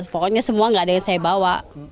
pokoknya semua gak ada yang saya bawa